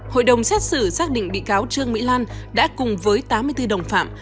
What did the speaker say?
hội đồng xét xử xác định bị cáo trương mỹ lan đã cùng với tám mươi bốn đồng phạm